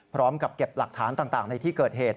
พร้อมกับเก็บหลักฐานต่างในที่เกิดเหตุ